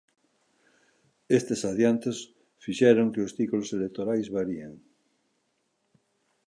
Estes adiantos fixeron que os ciclos electorais varíen.